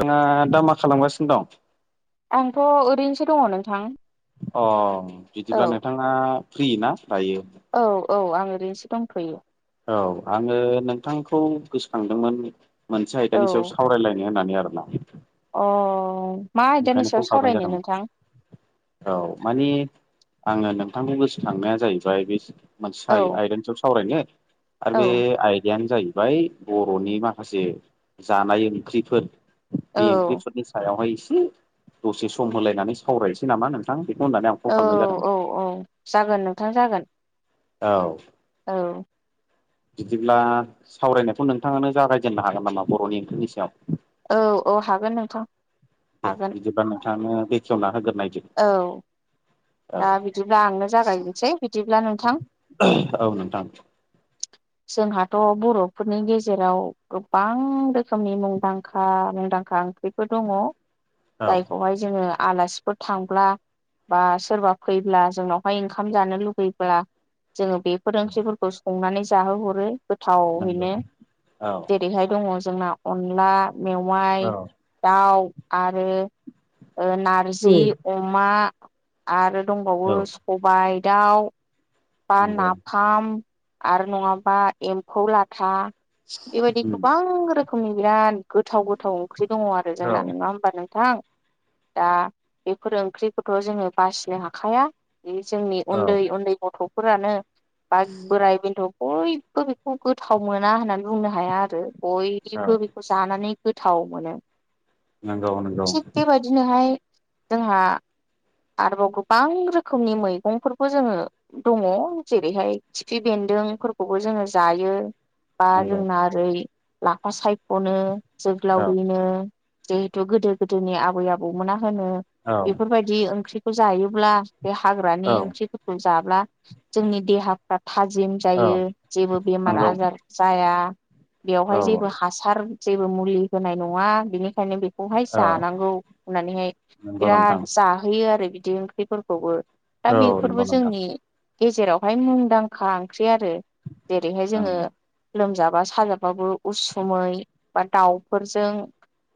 आंना दाामा खालामगासिनो दं आंथ ओरैनोसो दङ नोंथां अ औ बिदिब्ला नोंथाङा फ्रि ना दायो औ औ आं ओरैनोसो दंथयो औ आंङो नोंथांखौ गोसोखांदोंमोन मोनसे आयदानि सायाव सावरायलायनाय [inaudible] अह ओंखायनो कल खालामबनाय जादोंमोन औ मानि आंङो नोंथांखौ गोसोखांनाया जाहैबाय बे औ मोनसे आयदाखौ सावरायनो आरो औ बे आयदायानो जाहैबाय बरनि माखासे जानाय ओंख्रिफोर औ बे ओंख्रिफोरनि सायावहाय एसे दसे सम होलायनानै सावरायनोसै नामा नोंथां होननानै आं कल औ खालामनाय औ जादोंमोन औ जागोन नोंथां जागोन औ औ बिदिब्ला सावरायनायखौ नोंथाङानो जागायजेननो हागोन नामा बरनि ओंख्रिनि सायाव औ औ हागोन नोंथां दे हागोन बिदिबा नोंथाङनो बेखयावना होगोन औ दा बिदिब्ला आंनो जागायनोसै बिदिब्ला नोंथां औ नोंथां जोंहाथ' बर'फोरनि गेजेराव गोबां रोखोमनि मुंदांखां मदांखा ओंख्रिफोर दङ औ जायखौहाय जोङो आलासिफोर थांब्ला बा सोरबा फैब्ला जोंनावहाय ओंखाम जानो लुुबैब्ला जोङो बेफोर ओंख्रिफोरखौ संनानै जाहोहरो नंगौ गोथावहैनो औ जेरैहाय दङ जोंना अनला मेवाइ दाउ आरो ओ नारजि अमा आरो दंबावो औ सबाय दाउ बा नंगौ नाफाम आरो नङाबा एम्फौ लाथा बेबायदि उम गोबां रोखोमनि बिराद गोथाव गोथाव ओंख्रि दङ आरो औ जोंना नङा होमबा नों थां दा बेफोर ओंख्रिखौथ' जोङो बासिनो हाखाया बे जोंनि औ उन्दै उन्दै गथ'फोरानो बा बोराय बेन्थ' बयबो बेखौ गोथाव मोना होननानै बुंनो हाया आरो बयबो बेखौ जानानै गोथाव मोनो नंगौ नंगौ थिग बेबायदिनोहाय जोंहा आरोबाव गोबां रोखोमनि मैगंफोरबो जोङो दङ जेरैहाय खिफि बेन न्दोंफोरखौबो जोङो जायो। बा नंगौ जोंना ओरै लाफा सायख'नो औ जोग्लावरिनो जिहेथु गोदो गोदोनि आबै आबौमोना होनो औ बेफोरबायदिओ ओंख्रिखौ जायोब्ला बे हाग्रानि औ ओंख्रिफोरखौ जाब्ला जोंनि देहाफ्रा थाजिम औ जायो जेबो बेमार नंगौ आजार जाया औ बेवहाय जेबो हासार जेबो मुलि होनाय नङा बिनि ओंखायनो बेखौहाय औ जानांगौ होननानैहाय नंगौ नोंथां बिराद जा आरो बिदि ओंख्रिफोरखौबो दा औ नंगौ बेफोरबो नोंथां जोंनि गेजेरावहाय मुंदांखा ओंख्रि आरो जेरैहाय जोङो नंगौ लोमजाबा साजाबाबो उसुमै बा दाउफोरजों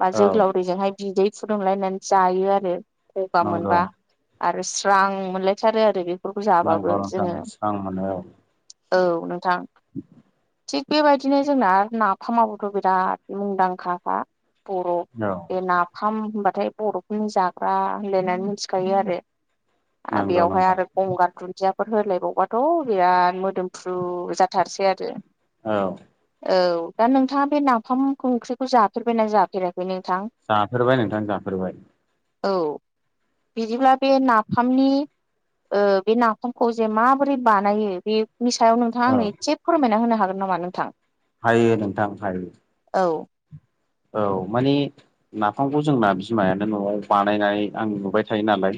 बा औ जोगोलावरिजोंहाय बिदै फुदुंलायनानै जायो आरो गगा नंगौ मोनबा आरो स्रां मोनलायथारो आरो बेफोरखौ नंगौ जाबाबो नोंथां जोङो स्रां मोनो औ औ नोंथां। थिग बेबायदिनो जोंना नाफामाबोथ' बिराद मुंदांखाखा बर' औ बे नाफाम होनबाथाय बर'फोरनि जाग्रा होनलायनानै मिथिखायो आरो नंगौ बेयावहाय नोंथां आरो गंगार दुन्दिया होलायबावबाथ' बिराद मोदोमफ्र्रु जाथारसै आरो औ औ दा नोंथाङा बे नाफाम खंख्रिखौ जाफेरबायना जाफेराखै नोंथां जाफेरबाय नोंथां जाफेरबाय औ बिदिब्ला बे नाफामनि ओ बे नाफामखौ जे माबोरै बानायो बे नि सायाव नोंथाङा आंनो एसे फोरमायना होनो हागोन नामा नोंथां हायो‌ नोंथां हायो औ औ माने नाफामखौ जोंना बिमायानो न'आव बानायनाय आं नुबाय थायो नालाय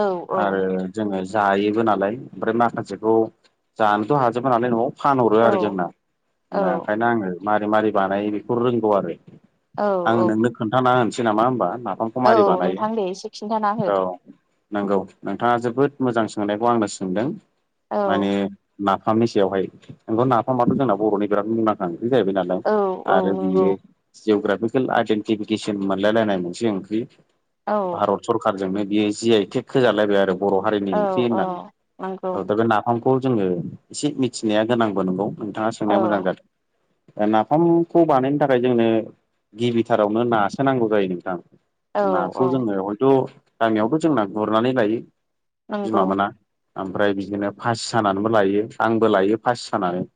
औ औ आरो जोङो जायोबो नालाय ओमफ्राय माखासेखौ जानोथ' हाजोबो नालाय न'आव फानहरो औ आरो जोंना औ ओंखायनो आङो मारोरै मारै बानायो बेखौ रोंगौ आरो औ आं औ नोंनो खोन्थाना होनोसै नामा होनोमबा नाफामखौ मारि औ बानायो नोंथां दे एसे खिन्थाना हो औ नंगौ नोंथाङा जोबोद मोजां सोंनायखौ आंनो सोंदों औ माने नाफामनि सायावहाय बेखौ नाफामाथ' जोंना बर'नि बिराद मुंदांखा बि जाहैबाय नालाय औ औ आरो नंगौ बियो जिअ'ग्राफिकेल आइडेन्टिफिकेसन मोनलायलायनाय मोनसे ओंख्रि औ भारत सरखारारजोंनो बियो जिया ए थेक खोजालायबाय आरो बर' हारिनि औ ओंख्रि औ होननानै नंगौ औ दा बे नाफाम खौ जोङो एसे मिथिनाया गोनांबो नंगौ नोंथाङा औ सोंनाया मोजां जादों ओ नाफामखौ बानायनो थाखाय जोंनो गिबिथारावनो नासोनांगौ जायो नोंथां औ नाखौ औ जोङो हयथ' गामियावथ' जोंना गुरनानै लायो नंगौ बिमा मोना ओमफ्राय बिदिनो फासि सानानैबो लायो आंबो लायो फासि सानानै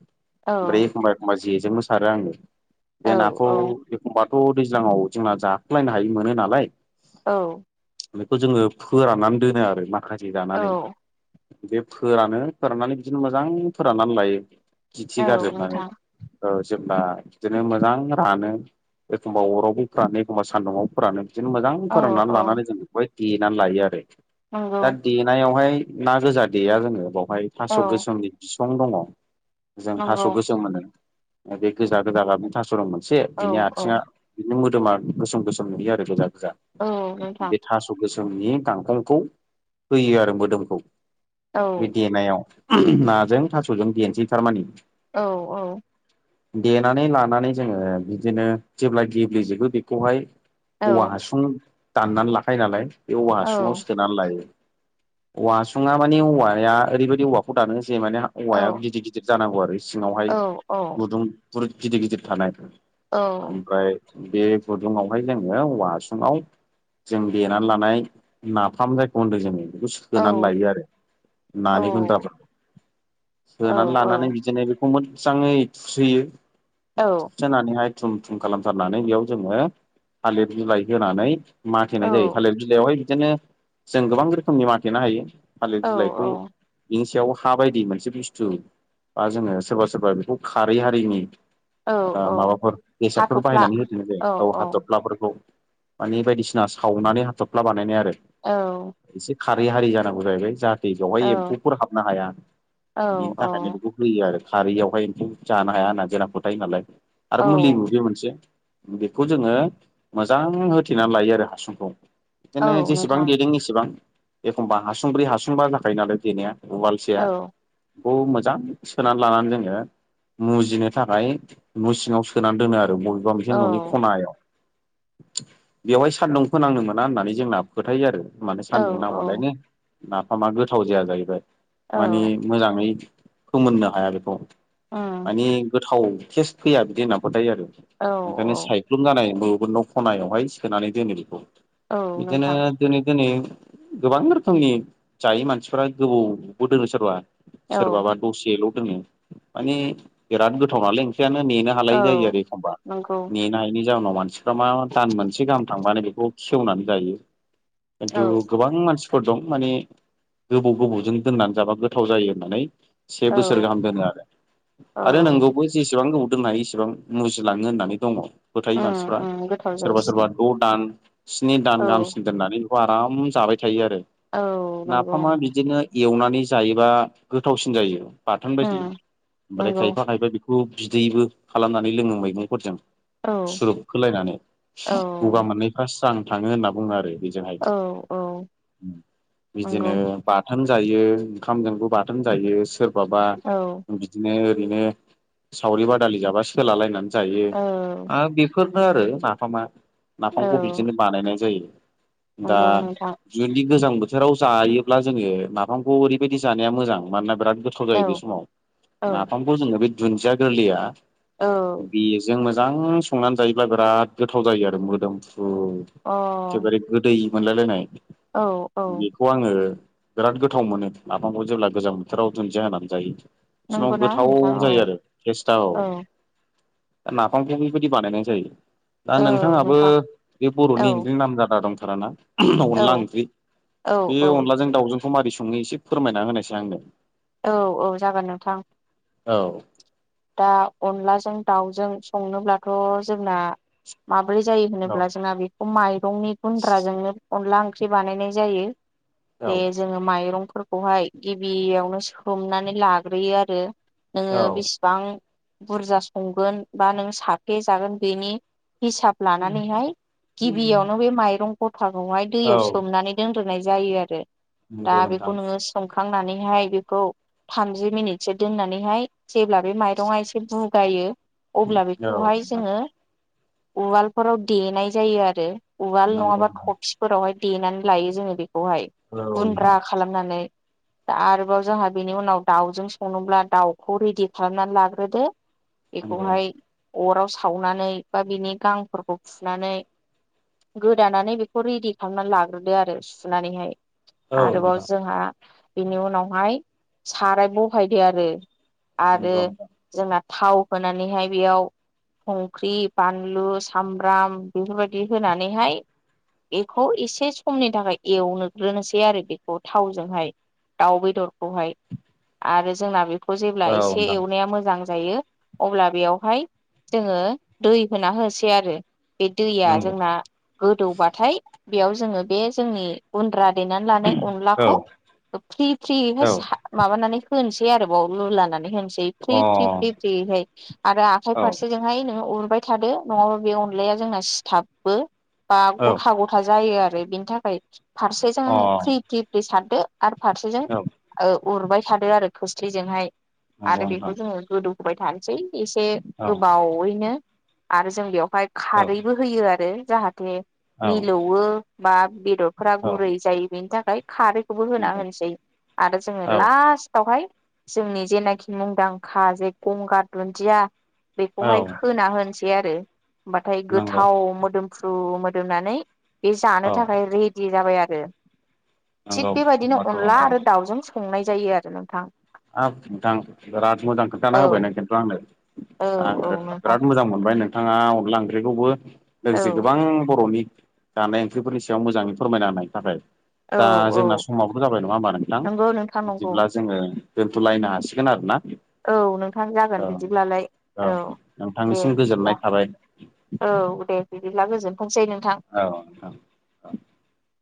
औ ओमफ्राय एखमबा एखमबा जेजोंबो सारो आङो औ औ एखबाथ' दैज्लाङाव जोंना जाखलायनो हायि मोनो नालाय औ बेखौ जोङो फोराननानै दोनो आरो माखासे औ जानानै बे फोरानो फोराननानै बिदिनो मोजां फोराननानै लायो औ खिथि गारजोबनानै नोंथां ओ जेब्ला बिदिनो मोजां रानो एखमबा अरावबो फोरानो, एखमबा सान्दुंआव फोरानो, बिदिनो मोजां औ फोराननानै औ लानानै जों बेखौहाय देनानै लायो आरो नंगौ ।दा देनायावहाय ना गोजा देया जोङो बाव ओमफाय औ थास' गोसोमनि बिसं दङ ।जों नंगौ थास' गोसोम होनो। बे गोजा- गोजा लाबनि थास'रं मोनसे औ बिनि औ आथिङा गोदोमा गोसोम -गोसोम नुयो आरो गोजा- गोजा औ नोंथां बे थास' गोसोम [unintelligible] गांखंखौ होयो आरो मोदोमखौ औ बे देनायाव। नाजों थास'जों देनसै थारमाने। औ, औ। देनानै लानानै जोङो बिदिनो जेब्ला गेब्लेजोबो बेखौहाय औ औवा हासुं दाननानै लाखायो नालाय, बे औवा औ हासुङाव सोनानै लायो। औवा हखसुङा माने औवाया ओरैबायदि औवाखौ दानो जे माने औ औवाया गिदिर -गिदिर जानांगौ आरो, सिङावहाय औ औ गुदुं बुरुद गिदिर- गिदिर थानाय। औ। ओमफ्राय बे गुदुङावहाय जोङो औवा हासुङाव जों देनानै लानाय नाफाम जायखौ होनदों जोङो। बेखौ सुखोनानै लायो आरो नानि गुन्द्राफोरखौ। सोनानै लानानै बिदिनो बेखौ मोन मोजाङै थुसोयो थुसोनानैहाय थुम [unintelligible] खालामथारनानै बेयाव जोङो, थालिर बिलाइ होनानै औ माथेनाय जायो । थालिर बिलाइयावहाय बिदिनो जों गोबां रोखोमनि माथेनो हायो । थालिर औ बिलाइखौ बिनि सायाव हा बायदि मोनसे बुस्थु बा जोङो सोरबा -सोरबा बेखौ खारै हारिनि औ ओ, माबाफोर बेसादफोर हाथ'फ्ला बाहायनानै [unintelligible] औ हाथफ्लाफोरखौ माने बायदिसिना सावनानै हाथफ्ला बानायनाया औ। खारै हारि जानांगौ जाहैबाय। जाहाथे औ दैयावहाय एम्फौफोर हाबनो हाया औ बेनि थाखायनो बेखौ होयो आरो। खारैयावहाय जानो हाया होनना गोनां फोथायो नालाय औ आरो मुलिबो बे मोनसे बेखौ जोङो मोजां होथेनानै लायो आरो हासुंखौ। बिदिनो औ जेसेबां नोंथां देदों एसेबां एखमबा हासुंब्रै, हासुंबा जाखायो नालाय देनाया। औ उवालसेया [unintelligible] मोजां सोनानै लानानै जोङो मुजिनो थाखाय न' सिङाव सोनानै दोनो आरो। बबेबा मोनसे औ न'नि खनायाव बेवहाय सान्दुं फोनांनो मोना होननानै जोंना फोथायो आरो। मानि औ सान्दुं नांबालायनो नाफामा गोथाव जाया जाहैबाय औ ।मानि मोजाङै फोमोननो हाया बेखौ उम मानि गोथाव टेस्ट फैया बिदि होनना फोथायो आरो। औ ओंखायनो सायख्लुम जानाय बबेबा न' खनायावहाय सोनानै दोनो बेखौ। औ बिदिनो नोंथां दोनै [unintelligible] गोबां रोखोमनि जायो मानसिफ्रा गोबौबो दोनो सोरबा औ सोरबाबा दसेल' दोनो माने बिराद गोथाव नालाय ओं [unintelligible] नेनो हालायै जायो आरो एखमबा । नोंगौ । बेनि जाहोनाव मानसिफ्रा मा दान मोनसे गाहाम थांबानो बेखौ खेवनानै जायो । खिन्थु औ गोबां मानसि [unintelligible] दं माने गोबाव-गोबावजों दोननानै जाबा गोथाव जायो होननानै से औ बोसोर गाहाम दोनो आरो। औ आरो नोंगौबो जेसेबां गोबौ दोननो हायो एसेबां मुजि लाङो होननानै दङ' फोथायो उम मानसिफ्रा उम गोथाव सोरबा-सोरबा जायसिनो द' दान स्नि दान औ गाहामसिन दोननानै बेखौ आराम जाबाय थायो आरो औ नंगौ नाफामा बिदिनो एवनानै जायोबा गोथावसिन जायो बाथोन उम बायदि। ओमफ्राय नंगौ खायफा-खायफा बे [unintelligible] बिदैबो खालामनानै लोङो मैगंफोरजों । औ सुरुप खोलायनानै औ गगा मोन्नायफ्रा स्रां थाङो होनना बुङो आरो । बेजोंहाय औ औ उम नंगौ बिदिनो बा थोन जायो ओंखामजोंबो बाथोन जायो सोरबाबा औ बिदिनो ओरैनो सावरि बादालि जाबा सोला लायनानै जायो औ आर बे फोरनो आरो नाफामा औ नाफामखौ बिदिनो बानायनाय जायो । दा नंगौ नोंथां जुदि गोजां बो थोराव जायोब्ला जोङो नाफामखौ ओरैबायदि जानाया मोजां मानोना बिराद गोथाव औ जायो बे समाव औ नाफामखौ जोङो बे दुन्दिया गोरलैया औ बेजों मोजां संनानै जायोब्ला बिराद गोथाव जायो आरो मोदोम फ्रु अ एखेबारे गोदै मोनलायलायनाय औ औ बेखौ आङो बिराद गोथाव मोनो नाफामखौ जेब्ला गोजां बोथोराव दुनदिया होनानै जायो । बे समाव नंगौना गोथाव नोंथां औ जायो आरो तेस्थाव औ । नाफामखौ बिबायदि बानायनाय जायो । दा औ नोंथाङाबो नोंथां बे औ बर'नि ओंख्रि नाम जादा दंथारा ना? औ अनला ओंख्रि औ बे औ अनलाजों दाउजोंखौ मादि संङो एसे फोरमायना होनोसै आंनो । औ-औ जागोन नोंथां । औ । दा अनलाजों दाउजों संनोब्लाथ' जोंना मा ब्रै जायो औ होनोब्ला जोंना बेखौ माइरंनि गुन्द्राजोंनो अनला ओंख्रि बानायनाय जायो । बे जोङो माइरंफोरखौहाय गिबियावनो सोमनानै लाग्रोयो आरो । नोङो औ बिसिबां बुरजा संगोन बा नों साखफे जागोन बेनि हिसाब लानानैहाय गिबियावनो बे माइरं गथाखौहाय औ दैयाव सोमनानै दोन ग्रोनाय जायो आरो ।दा नंगौ नोंथां बेखौ नोंङो सोम खांनानैहाय बेखौ थामजि मिनितसो दोन्नानैहाय जेब्ला बे माइरंआ एसे बुगायो अब्ला औ बेखौहाय नोंथां जोङो उवालफोराव देनाय जायो आरो उवाल नंगौ नङाबा नोंथां थफिफोरावहाय देनानै लायो जोङो बेखौहाय औ नोंथां गुन्द्रा खालामनानै । आरोबाव जोंहा बेनि उनाव दाउजों सङोब्ला दाउखौ रेडि खालामनानै लाग्रोदो । नंगौ बेखौहाय अराव सावनानै बा बिनि गांफोरखौ फुनानै गोदानानै बेखौ रिडि खालामनानै लाग्रोदो आरो सुनानैहाय । औ आरोबाव नोंथां जोंहा बेनि उनावहाय साराय बहायदो आरो । आरो नंगौ नोंथां जोंना थाव होनानैहाय बेयाव संख्रि बानलु सामब्राम बेफोरबायदि होनानैहाय बेखौ एसे समनि थाखाय एवनो ग्रोनोसै आरो बेखौ थावजोंहाय । दाउ बेदरखौहाय आरो जोंना बेखौ जेब्ला औ एसे नोंथां एवनाया मोजां जायो अब्ला बेयावहाय जोङो दै होना होसै आरो । बे दैया नंगौ जोंना गोदौबाथाय बेयाव जोङो बे जोंनि गुन्द्रा देनानै लानाय औ अनलाखौ फ्रि-फ्रियैहाय औ सा माबानानै होनोसै आरो बाव लुलानानै होनोसै बे फ्रि फ्रि फ्रि ओय हाय आरो आख अ औ फारसेजोंहाय नोंङो उरबाय थादो नङाबा बे अनलाया जोंना सिथाबो बा औ गथा गथा जायो आरो। बेनि थाखाय फारसेजों अ फ्रि औ फ्रि फ्रि सारदो आरो फारसेजों ओ उरबाय थादो आरो खोस्लिजोंहाय नंगौ आरो बेखौ नोंथां जोङो गोदौहोबाय थानोसै। एसे औ गोबावैनो आरो जों बेवहाय औ खारैबो होयो आरो जाहाथ बे औ मिलौवो बा बेदरफ गुरै जायो बेनि थाखाय। खारैखौबो होना नंगौ होनोसै आरो जोङो औ लास्टावहाय जोंनि जेनाखि मुंदांखा जे गंगार दुन्दिया बेखौहाय खोना होनोसै आरो। होमबाथाय नंगौ गोथाव मोदोमफ्रु मोदोमनानै बे जानो औ थाखाय रेडि जाबाय आरो। थिग नंगौ बेबायदिनो होनबाथ' अनला औ आरो दाउजों संनाय जायो आरो नोंथां। हाब नोंथां बिराद मोजां औ खोन्थाना होबाय नो खिन्थु आंनो। औ आङो औ नोंथां बिराद मोजां मोनबाय नोंथाङा अनला ओंख्रिखौबो लोगोसे औ गोबां बर'नि जानाय ओंख्रिफोरनि सायाव मोजाङै फोरमायना होनायनि थाखाय। औ दा औ जोंना समाबोथ' जाबाय नङा होमबा नोंथां नंगौ नोंथां नंगौ बिदिब्ला जोङो दोनथ'लायनो हासिगोन आरो ना? औ नोंथां जागोन बिदिब्लालाय, औ दे नोंथांनिसिम बिदिब्ला। गोजोननाय थाबाय औ दे बिदि औ औ औ